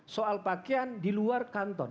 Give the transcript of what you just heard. soal pakaian di luar kantor